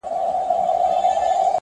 کورنۍ له دننه ماته سوې ده،